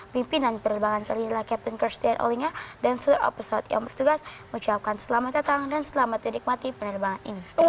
pimpinan penerbangan kali ini adalah captain christian olinger dan seluruh pesawat yang bertugas menjawabkan selamat datang dan selamat menikmati penerbangan ini